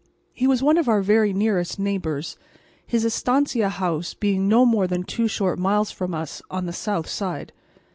He was one of our very nearest neighbours, his estancia house being no more than two short miles from us on the south side.